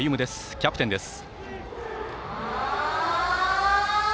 キャプテンです。